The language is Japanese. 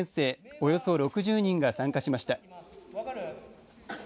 およそ６０人が参加しました。